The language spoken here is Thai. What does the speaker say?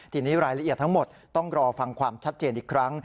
ทีนี้รายละเอียดทั้งหมดต้องรอฟังความชัดเจนอีกครั้ง